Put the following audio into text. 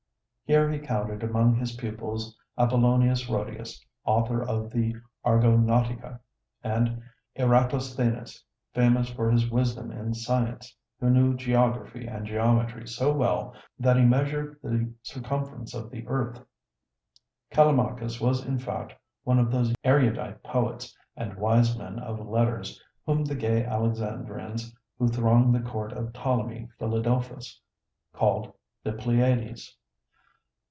Here he counted among his pupils Apollonius Rhodius, author of the 'Argonautica,' and Eratosthenes, famous for his wisdom in science, who knew geography and geometry so well that he measured the circumference of the earth. Callimachus was in fact one of those erudite poets and wise men of letters whom the gay Alexandrians who thronged the court of Ptolemy Philadelphus called "The Pleiades."